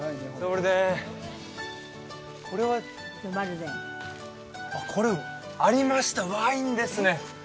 これはこれありましたワインですね